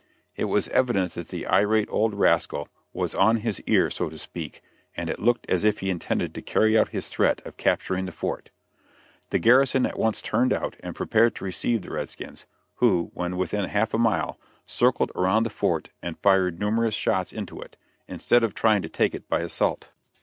It was evident that the irate old rascal was "on his ear," so to speak, and it looked as if he intended to carry out his threat of capturing the fort. The garrison at once turned out and prepared to receive the red skins, who, when within half a mile, circled around the fort and fired numerous shots into it, instead of trying to take it by assault.